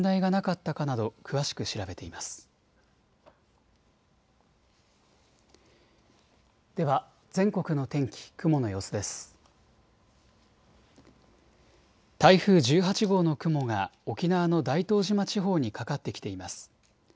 台風１８号の雲が沖縄の大東島地方にかかってきています。